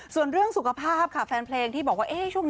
ส่วนเรื่องสุขภาพค่ะแฟนเพลงที่บอกว่าช่วงนี้